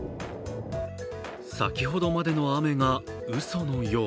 先ほどまでの雨がうそのよう。